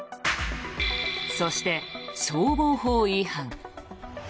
そして消防法違反。